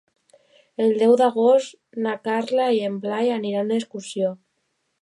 El deu d'agost na Carla i en Blai aniran d'excursió.